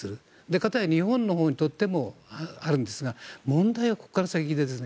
かたや日本にとってもあるんですが問題は、ここから先ですね。